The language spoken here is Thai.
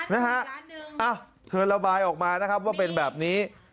นะฮะอ้าวเธอระบายออกมานะครับว่าเป็นแบบนี้